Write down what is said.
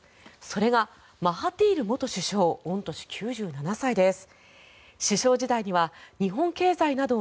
それがマハティール元首相御年９７歳です。